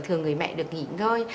thường người mẹ được nghỉ ngơi